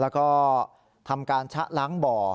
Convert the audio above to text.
แล้วก็ทำการชะล้างบ่อ